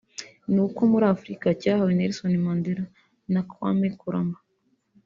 ni uko muri Afurika cyahawe Nelson Mandela na Kwame Nkrumah